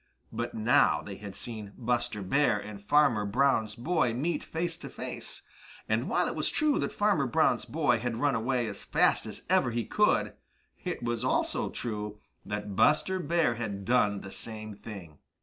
But now they had seen Buster Bear and Farmer Brown's boy meet face to face; and while it was true that Farmer Brown's boy had run away as fast as ever he could, it was also true that Buster Bear had done the same thing.